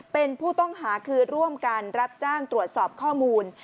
เป็นผู้ต้องหาคือร่วมกันรับจ้างตรวจสอบข้อมูล